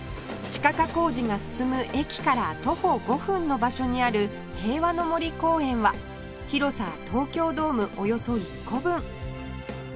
地下化工事が進む駅から徒歩５分の場所にある平和の森公園は広さ東京ドームおよそ１個分